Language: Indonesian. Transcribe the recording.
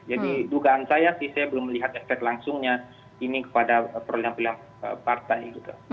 jadi dugaan saya sih saya belum melihat efek langsungnya ini kepada perlilang perlilang partai gitu